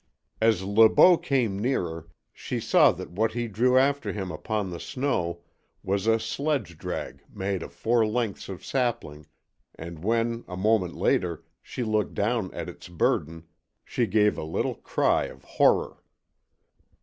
As Le Beau came nearer she saw that what he drew after him upon the snow was a sledge drag made of four lengths of sapling, and when, a moment later, she looked down at its burden, she gave a little cry of horror.